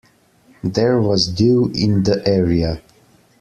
There was dew in the area.